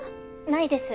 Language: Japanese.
ないです。